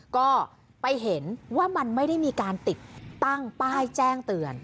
ก็ไปเห็นว่ามันไม่ได้มีการติดตั้งป้ายแจ้งเตือน